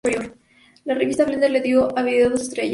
La revista Blender le dio al video dos estrellas.